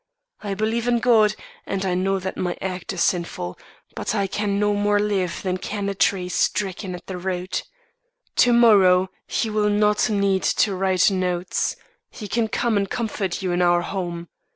I believe in God, and I know that my act is sinful; but I can no more live than can a tree stricken at the root. To morrow he will not need to write notes; he can come and comfort you in our home.